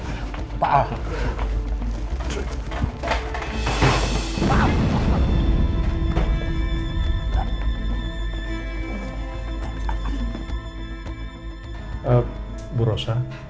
siapkan obat penanang